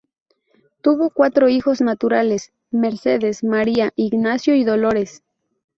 Tuvo cuatro hijos naturales: Mercedes, María, Ignacio y Dolores.